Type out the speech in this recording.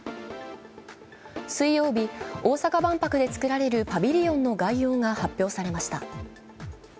水曜日、大阪万博でつくられるパビリオンの概要が発表されました。